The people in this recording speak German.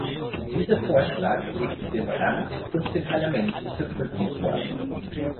Dieser Vorschlag liegt dem Rat und dem Parlament zur Prüfung vor.